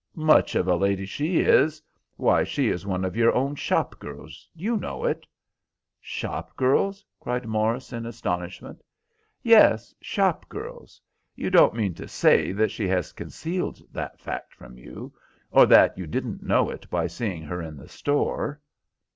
Much of a lady she is! Why, she is one of your own shop girls. You know it." "Shop girls?" cried Morris, in astonishment. "Yes, shop girls. You don't mean to say that she has concealed that fact from you, or that you didn't know it by seeing her in the store?"